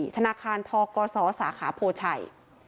ธนาคารทกศสาขาโพชัย